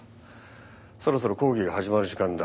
そろそろ講義が始まる時間だ。